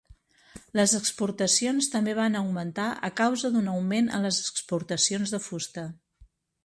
Les exportacions també van augmentar, a causa d'un augment en les exportacions de fusta.